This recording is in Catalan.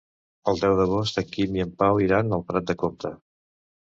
El deu d'agost en Quim i en Pau iran a Prat de Comte.